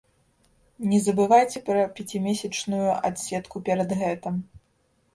Не забывайце пра пяцімесячную адседку перад гэтым.